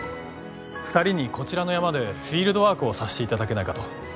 ２人にこちらの山でフィールドワークをさしていただけないかと。